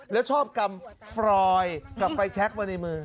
แล้วชอบกำฟรอยกับไฟแชคมาในมือ